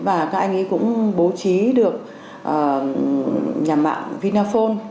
và các anh ấy cũng bố trí được nhà mạng vinaphone